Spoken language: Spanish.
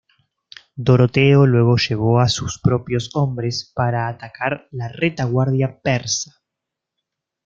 Doroteo luego llevó a sus propios hombres para atacar la retaguardia persa.